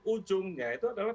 ujungnya itu adalah